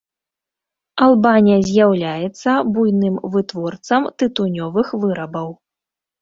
Албанія з'яўляецца буйным вытворцам тытунёвых вырабаў.